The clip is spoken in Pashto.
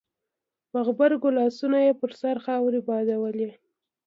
په غبرګو لاسونو يې پر سر خاورې بادولې.